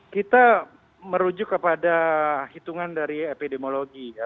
kita merujuk kepada hitungan dari epidemiologi ya